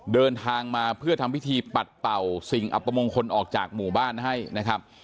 เดินทางมาเพื่อทำพิธีปัดเป่าสิ่งอัปมงคลออกจากหมู่บ้านให้นะครับ